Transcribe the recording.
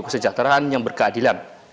sejahteraan yang berkeadilan